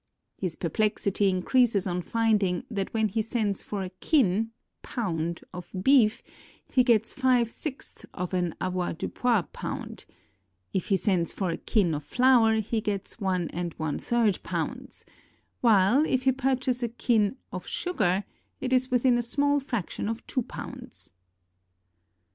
His perplexity increases on finding that when he sends for a kin (pound) of beef he gets five sixths of an avoirdupois pound ; if he send for a kin of flour, he gets one and one third pounds; while, if he purchase a kin of sugar, it is within a small fraction of two pounds.